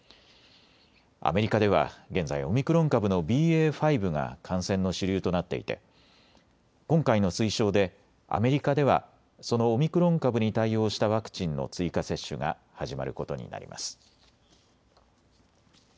アメリカでは現在、オミクロン株のＢＡ．５が感染の主流となっていて今回の推奨でアメリカではそのオミクロン株に対応したワクチンの追加接種が始まることになります。